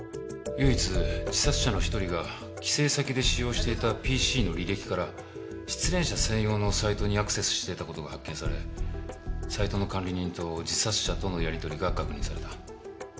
唯一自殺者の一人が帰省先で使用していたＰＣの履歴から失恋者専用のサイトにアクセスしていた事が発見されサイトの管理人と自殺者とのやりとりが確認された。